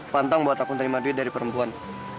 pantang buat aku terima duit dari perempuan